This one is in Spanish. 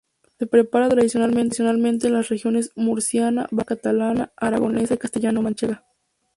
Se prepara tradicionalmente en las regiones murciana, valenciana, catalana, aragonesa y castellano-manchega.